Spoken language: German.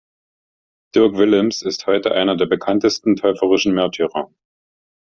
Dirk Willems ist heute einer der bekanntesten täuferischen Märtyrer.